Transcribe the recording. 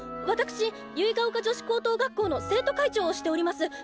わたくし結ヶ丘女子高等学校の生徒会長をしております